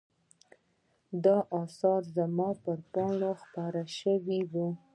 دا آثار زما پر پاڼه خپاره شوي.